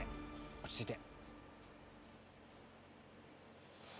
落ち着いて。